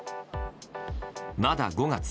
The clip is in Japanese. まだ５月。